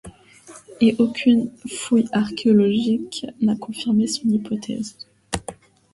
Et aucune fouille archéologique n'a confirmé son hypothèse.